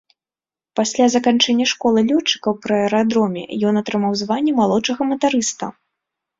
Пасля заканчэння школы лётчыкаў пры аэрадроме ён атрымаў званне малодшага матарыста.